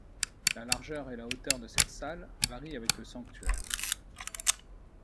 La largeur et la hauteur de cette salle varient avec le sanctuaire.